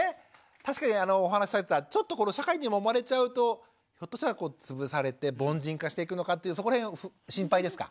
確かにお話しされてたちょっとこの社会にもまれちゃうとひょっとしたら潰されて凡人化していくのかっていうそこら辺を心配ですか？